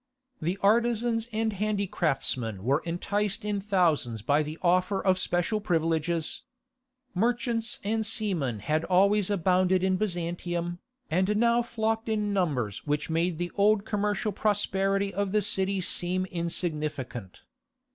The artizans and handicraftsmen were enticed in thousands by the offer of special privileges. Merchants and seamen had always abounded at Byzantium, and now flocked in numbers which made the old commercial prosperity of the city seem insignificant.